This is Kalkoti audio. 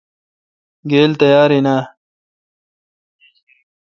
گیل تیاراین آ؟